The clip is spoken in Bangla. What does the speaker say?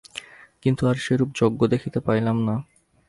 কিন্তু আর সেরূপ যজ্ঞ দেখিতে পাইলাম না।